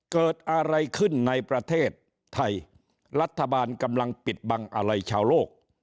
เกิดอะไรขึ้นในประเทศไทยรัฐบาลกำลังปิดบังอะไรชาวโลก